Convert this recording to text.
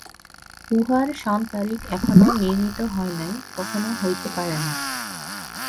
উহার সন-তারিখ এখনও নির্ণীত হয় নাই, কখনও হইতে পারে না।